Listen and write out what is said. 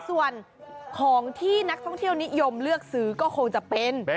ส่วนของที่นักท่องเที่ยวนิยมเลือกซื้อก็คงจะเป็น